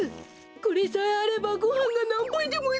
これさえあればごはんがなんばいでもいけるでごわすよ。